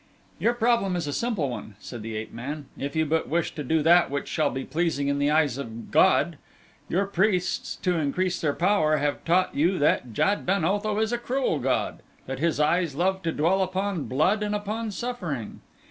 "Your problem is a simple one," said the ape man, "if you but wish to do that which shall be pleasing in the eyes of God. Your priests, to increase their power, have taught you that Jad ben Otho is a cruel god, that his eyes love to dwell upon blood and upon suffering.